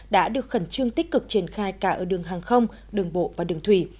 đã được khẩn trương tích cực triển khai cả ở đường hàng không đường bộ và đường thủy